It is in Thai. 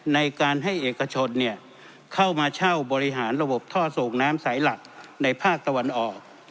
ในการให้เอกชนเข้ามาเช่าบริหารระบบท่อส่งน้ำสายหลักในภาคตะวันออก